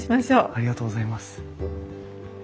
ありがとうございます。